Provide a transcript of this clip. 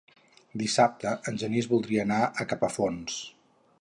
Dissabte en Genís voldria anar a Capafonts.